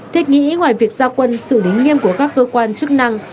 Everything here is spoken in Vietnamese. thiết nghĩ ngoài việc giao quân xử lý nghiêm của các cơ quan chức năng